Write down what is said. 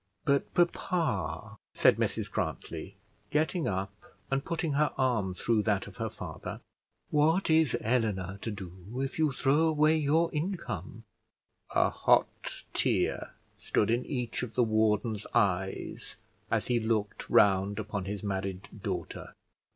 "But, papa," said Mrs Grantly, getting up, and putting her arm through that of her father, "what is Eleanor to do if you throw away your income?" A hot tear stood in each of the warden's eyes as he looked round upon his married daughter.